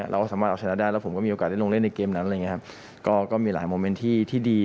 เราก็สามารถชนะได้แล้วผมก็มีโอกาสได้ลงเล่นในเกมนั้นนะครับก็มีหลายโมเม้นที่ดี